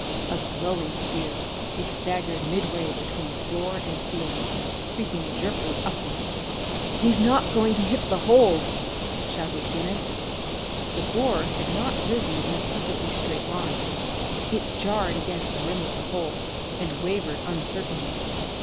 A glowing sphere, it staggered midway between floor and ceiling, creeping jerkily upwards. "He's not going to hit the hole!" shouted Guinness. The borer had not risen in a perfectly straight line; it jarred against the rim of the hole, and wavered uncertainly.